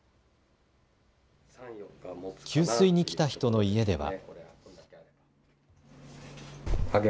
給水に来た人の家では。